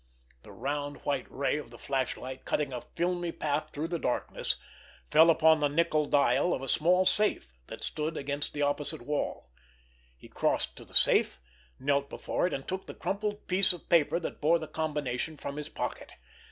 The round, white ray of the flashlight, cutting a filmy path through the darkness, fell upon the nickel dial of a small safe that stood against the opposite wall. He crossed to the safe, knelt before it, and took the crumpled piece of paper that bore the combination from his pocket.